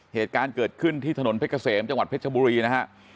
เหตุการณ์เกิดขึ้นที่ถนนเพชรเกษมจังหวัดเพชรบุรีนะฮะ